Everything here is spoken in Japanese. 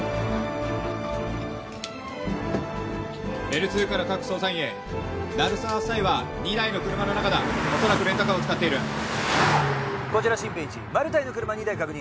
Ｌ２から各捜査員へ鳴沢夫妻は２台の車の中だ恐らくレンタカーを使っているこちらシンペン１マルタイの車２台確認